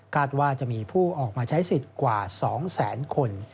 ว่าจะมีผู้ออกมาใช้สิทธิ์กว่า๒แสนคน